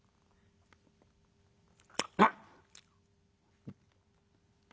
「あっ」。